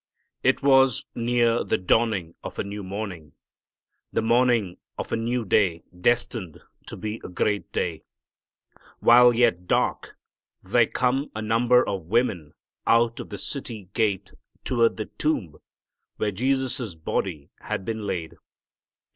It was near the dawning of a new morning, the morning of a new day destined to be a great day. While yet dark there come a number of women out of the city gate toward the tomb where Jesus' body had been laid.